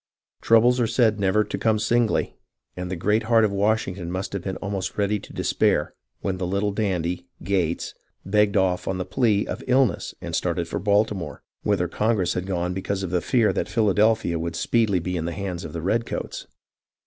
Troubles are said never to come singly, and the great heart of Washington must have been almost ready to de spair, when the little dandy. Gates, begged off on the plea 139 I40 HISTORY OF THE AMERICAN REVOLUTION of illness and started for Baltimore, whither Congress had gone because of the fear that Philadelphia would speedily be in the hands of the redcoats.